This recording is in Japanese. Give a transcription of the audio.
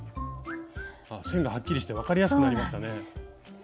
線がはっきりして分かりやすくなりましたね。